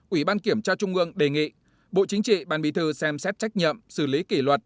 ủy ban kiểm tra trung ương đề nghị bộ chính trị ban bí thư xem xét trách nhiệm xử lý kỷ luật